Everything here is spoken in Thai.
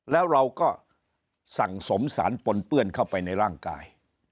แล้วเราก็สั่งสมสารปนเปื้อนเข้าไปในร่างกาย